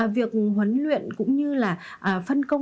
việc huấn luyện cũng như là phân công